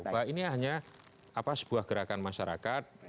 bahwa ini hanya sebuah gerakan masyarakat